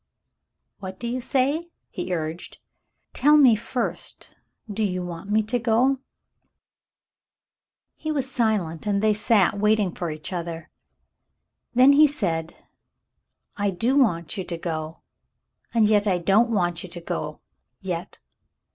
"Wliat do you say .?" he urged. "Tell me first — do you want me to go .^^" He was silent, and they sat waiting for each other. Then he said, "I do want you to go — and yet I don't want you to go — yet.